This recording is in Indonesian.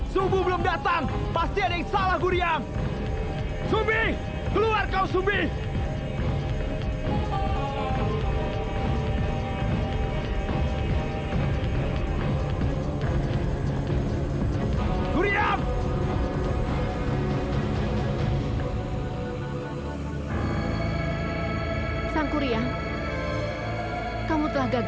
sumbu belum datang pasti ada yang salah gurian